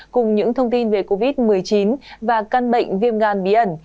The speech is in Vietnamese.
cùng những thông tin về covid một mươi chín và căn bệnh viêm gan bí ẩn